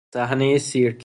صحنهی سیرک